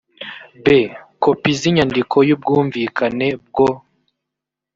b kopi z inyandiko y ubwumvikane bwo